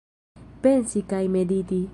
Pensi kaj mediti!